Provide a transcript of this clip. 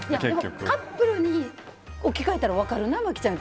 カップルに置き換えたら分かるな。